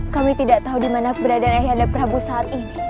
kami tidak tahu dimana berada ayahanda prabu saat ini